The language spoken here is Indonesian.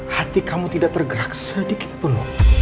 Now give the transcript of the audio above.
hati kamu tidak tergerak sedikit penuh